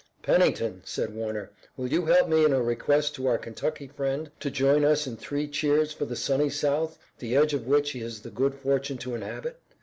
"Pennington," said Warner, "will you help me in a request to our Kentucky friend to join us in three cheers for the Sunny South, the edge of which he has the good fortune to inhabit?